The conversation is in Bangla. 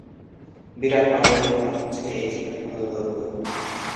বিরাটনগর, নেপাল হচ্ছে এই জেলার সদরদপ্তর।